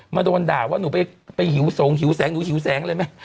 โดนด่าว่าหนูไปหิวสงหิวแสงหนูหิวแสงเลยไหม